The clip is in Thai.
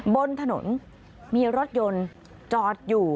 บนถนนมีรถยนต์จอดอยู่